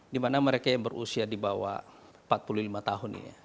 dimana mereka yang berusia di bawah empat puluh lima tahun ini